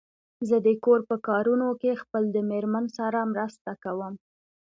زه د کور په کارونو کې خپل د مېرمن سره مرسته کوم.